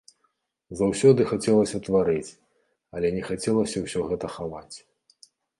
Заўсёды хацелася тварыць, але не хацелася ўсё гэта хаваць.